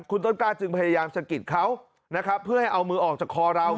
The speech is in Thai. คุณต้นกล้าจึงพยายามสะกิดเขานะครับเพื่อให้เอามือออกจากคอเรา